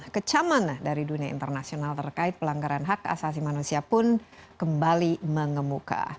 kecaman dari dunia internasional terkait pelanggaran hak asasi manusia pun kembali mengemuka